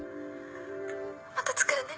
また作るね。